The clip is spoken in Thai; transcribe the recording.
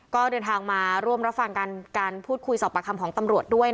ก็เดินทางมาร่วมรับฟังการพูดคุยสอบประคำของตำรวจด้วย